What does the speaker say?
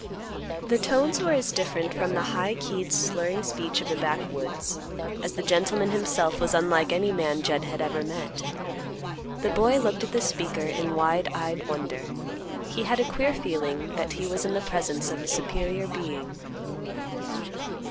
The tones were as different from the high keyed, slurring speech of the backwoods, as the gentleman himself was unlike any man Jed had ever met. The boy looked at the speaker in wide eyed wonder; he had a queer feeling that he was in the presence of a superior being.